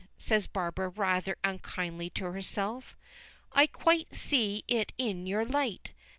says Barbara rather unkindly to herself. "I quite see it in your light.